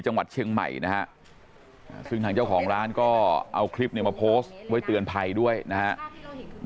ทางเจ้าของร้านก็เอาคลิปเนี่ยมาโพสต์ไว้เตือนภัยด้วยนะครับ